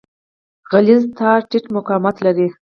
غلیظ تار ټیټ مقاومت لري.